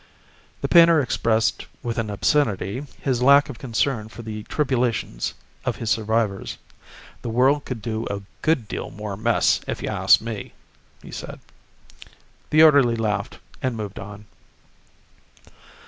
The painter expressed with an obscenity his lack of concern for the tribulations of his survivors. "The world could do with a good deal more mess, if you ask me," he said. The orderly laughed and moved on.